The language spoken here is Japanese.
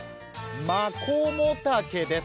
マコモタケです。